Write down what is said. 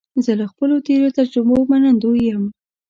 زه له خپلو تېرو تجربو منندوی یم.